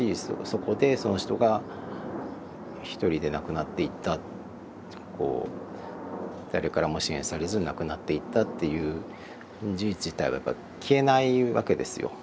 そこでその人が一人で亡くなっていった誰からも支援されず亡くなっていったっていう事実自体は消えないわけですよ。